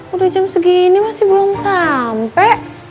udah jam segini masih belum sampai